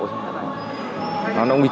để mình đánh giá